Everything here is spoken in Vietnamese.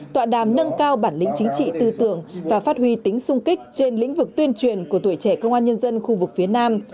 tọa đàm nâng cao bản lĩnh chính trị tư tưởng và phát huy tính sung kích trên lĩnh vực tuyên truyền của tuổi trẻ công an nhân dân khu vực phía nam